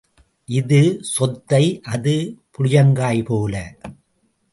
இது சொத்தை அது புளியங்காய் போல.